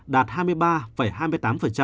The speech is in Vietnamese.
và tỷ lệ ba mươi ba hai mươi tám